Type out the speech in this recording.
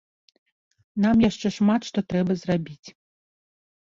Нам яшчэ шмат што трэба зрабіць.